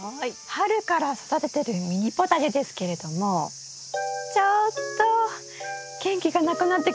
春から育ててるミニポタジェですけれどもちょっと元気がなくなってきました。